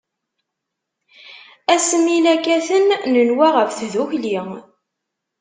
Ass mi la katen, nenwa ɣef tdukli.